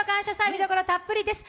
見どころたっぷりです。